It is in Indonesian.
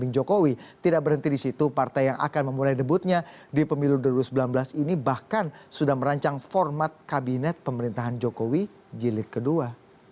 jokowi tidak berhenti di situ partai yang akan memulai debutnya di pemilu dua ribu sembilan belas ini bahkan sudah merancang format kabinet pemerintahan jokowi jilid kedua